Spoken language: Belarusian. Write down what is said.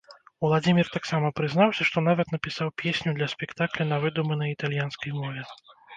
Уладзімір таксама прызнаўся, што нават напісаў песню для спектакля на выдуманай італьянскай мове.